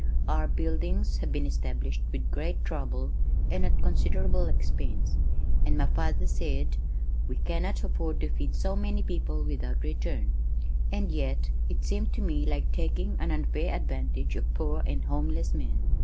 Our buildings had been established with great trouble and at considerable expense, and my father said, "We cannot afford to feed so many people without return," and yet it seemed to me like taking an unfair advantage of poor and homeless men.